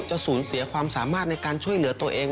สูญเสียความสามารถในการช่วยเหลือตัวเอง